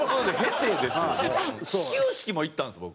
始球式も行ったんです僕。